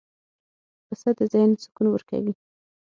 پسه د ذهن سکون ورکوي.